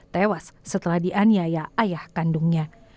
tewas setelah dianiaya ayah kandungnya